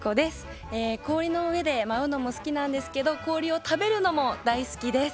氷の上で舞うのも好きなんですけど氷を食べるのも大好きです。